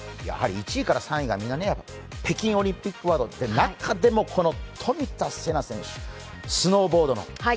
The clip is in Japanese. やはり１位から３位が北京オリンピックワードで、中でもこの冨田せな選手、スノーボードの。